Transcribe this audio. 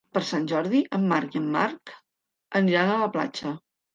Per Sant Jordi en Marc i en Marc aniran a la platja.